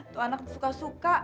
tuh anak suka suka